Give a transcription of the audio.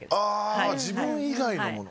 あ自分以外のもの。